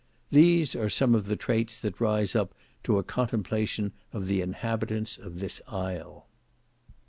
These are some of the traits that rise up to a contemplation of the inhabitants of this isle."